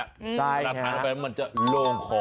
รัฐานก็ว่ามันจะโล่งคอ